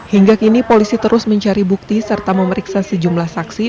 hingga kini polisi terus mencari bukti serta memeriksa sejumlah saksi